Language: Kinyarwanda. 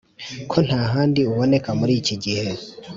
ko nta handi uboneka muri iki gihe !